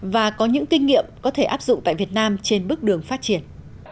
và có những kinh nghiệm có thể áp dụng tại việt nam trên bước đường phát triển